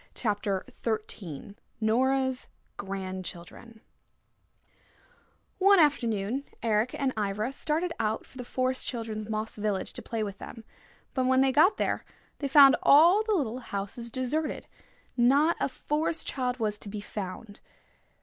CHAPTER XIII NORA'S GRANDCHILDREN One afternoon Eric and Ivra started out for the Forest Children's moss village to play with them. But when they got there they found all the little houses deserted: not a Forest Child was to be found.